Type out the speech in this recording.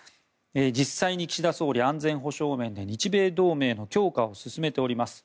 実際に岸田総理安全保障面で日米同盟の強化を進めております。